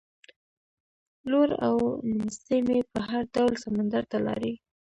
لور او نمسۍ مې په هر ډول سمندر ته لاړې.